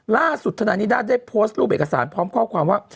ทนายนิด้าได้โพสต์รูปเอกสารพร้อมข้อความว่า